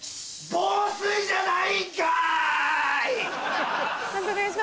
防水じゃないんすかこれ！